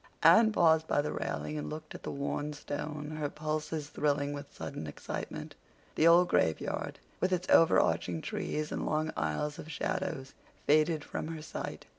Anne paused by the railing and looked at the worn stone, her pulses thrilling with sudden excitement. The old graveyard, with its over arching trees and long aisles of shadows, faded from her sight.